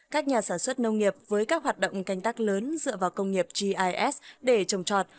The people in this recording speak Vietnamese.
các nhà sản xuất nông nghiệp với các hoạt động canh tác lớn dựa vào công nghiệp gis để trồng trọt